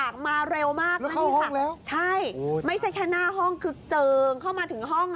น้ำไหลผ่านหน้าห้อง